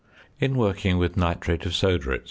In working with nitrate of soda, &c.